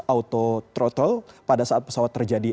atau throttle pada saat pesawat terjadi